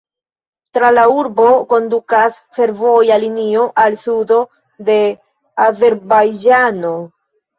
Tra la urbo kondukas fervoja linio al sudo de Azerbajĝano.